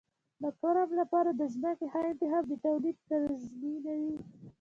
د فارم لپاره د ځمکې ښه انتخاب د تولید تضمینوي.